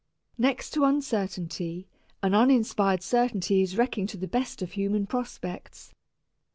Next to uncertainty, an uninspired certainty is wrecking to the best of human prospects.